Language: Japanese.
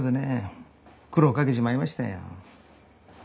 苦労をかけちまいましたよ。